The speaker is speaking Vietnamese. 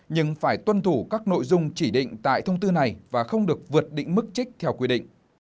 nhưng phải tuân thủ các nội dung chỉ định tại thông tư này và không được vượt định mức trích theo quy định